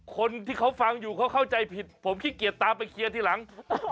คนที่เขาฟังอยู่เขาเข้าใจผิดผมขี้เกียจตามไปเคลียร์ทีหลัง